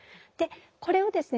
これをですね